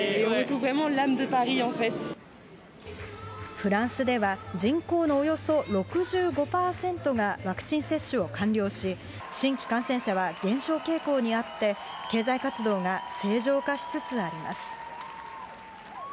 フランスでは、人口のおよそ６５％がワクチン接種を完了し、新規感染者は減少傾向にあって、経済活動が正常化しつつあります。